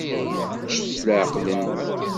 Ččet s leεqel-nwen.